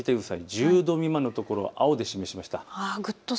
１０度未満の所を青で示しました。